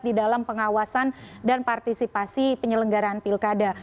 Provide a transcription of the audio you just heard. ketiga kemudian pengawasan dan partisipasi penyelenggaran pilkada